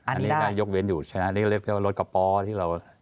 อันนี้ยกเว้นอยู่ชั้นเรียกว่ารถกระบะที่เรา